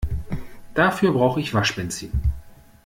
Dafür brauche ich Waschbenzin.